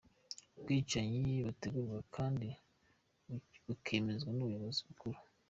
Ubwicanyi butegurwa kandi bukemezwa n’ubuyobozi bukuru.